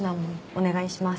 お願いします